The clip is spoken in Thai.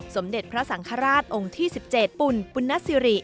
สมเด็จพระสังฆราชองค์ที่๑๗ปุ่นปุณสิริ